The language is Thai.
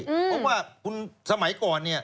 เพราะว่าคุณสมัยก่อน